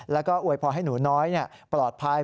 แล้วก็อวยพรให้หนูน้อยปลอดภัย